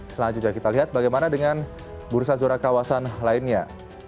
selanjutnya kita lihat bagaimana dengan bursa zona kawasan lainnya